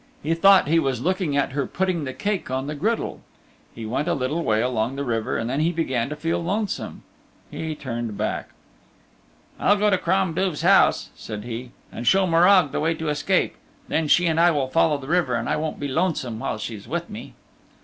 He thought he was looking at her putting the cake on the griddle. He went a little way along the river and then he began to feel lonesome. He turned back, "I'll go to Crom Duv's House," said he, "and show Morag the way to escape. And then she and I will follow the river, and I won't be lonesome while she's with me."